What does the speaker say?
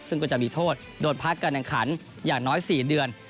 ซึ่งก็จะมีโทษโดนพักการแข่งขันอย่างน้อย๔เดือน